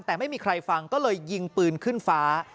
แต่ไม่มีใครฟังก็เลยยิงปืนขึ้นฟ้า